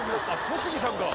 小杉さんか。